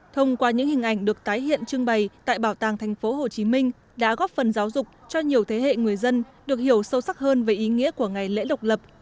thông qua những hình ảnh được tái hiện trưng bày tại bảo tàng tp hcm đã góp phần giáo dục cho nhiều thế hệ người dân được hiểu sâu sắc hơn về ý nghĩa của ngày lễ độc lập